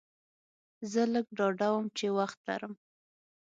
زه لږ ډاډه وم چې وخت لرم.